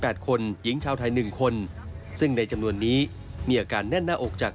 คนหญิงชาวไทยหนึ่งคนซึ่งในจำนวนนี้มีอาการแน่นหน้าอกจาก